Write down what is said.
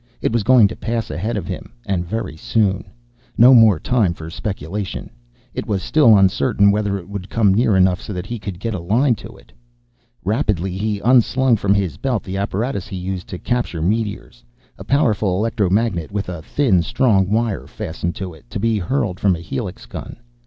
It was going to pass ahead of him. And very soon. No more time for speculation. It was still uncertain whether it would come near enough so that he could get a line to it. Rapidly he unslung from his belt the apparatus he used to capture meteors. A powerful electromagnet, with a thin, strong wire fastened to it, to be hurled from a helix gun.